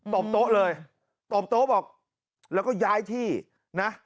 บโต๊ะเลยตบโต๊ะบอกแล้วก็ย้ายที่นะ